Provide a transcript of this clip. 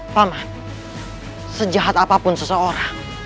pak man sejahat apapun seseorang